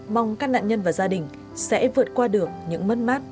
mong các nạn nhân và gia đình sẽ vượt qua được những mất mát